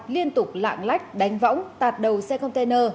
liên tục lạng lách đánh võng tạt đầu xe container